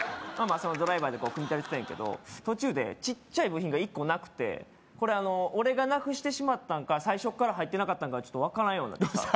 そのドライバーで組み立ててたんやけど途中でちっちゃい部品が１個なくてこれ俺がなくしてしまったんか最初っから入ってなかったんか分からんようになってさ